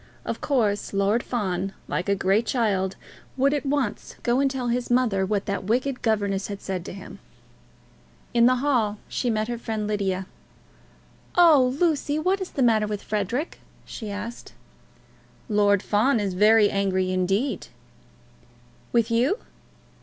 Of course Lord Fawn, like a great child, would at once go and tell his mother what that wicked governess had said to him. In the hall she met her friend Lydia. "Oh, Lucy, what is the matter with Frederic?" she asked. "Lord Fawn is very angry indeed." "With you?"